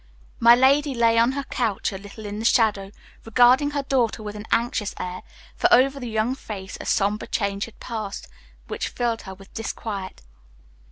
My lady lay on her couch, a little in the shadow, regarding her daughter with an anxious air, for over the young face a somber change had passed which filled her with disquiet.